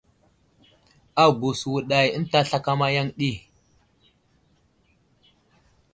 Agùs wùdày ənta slakama yaŋ ɗi.